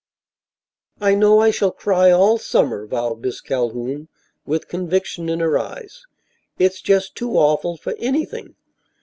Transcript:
"I know I shall cry all summer," vowed Miss Calhoun, with conviction in her eyes. "It's just too awful for anything."